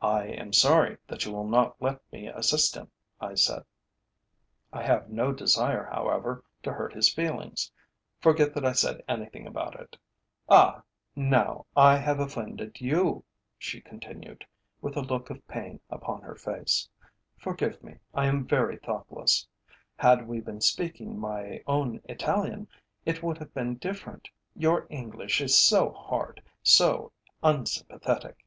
"I am sorry that you will not let me assist him," I said. "I have no desire, however, to hurt his feelings. Forget that I said anything about it." "Ah! now I have offended you," she continued, with a look of pain upon her face. "Forgive me, I am very thoughtless. Had we been speaking my own Italian it would have been different. Your English is so hard, so unsympathetic."